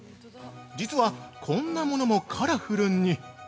実はこんなものもカラフルに。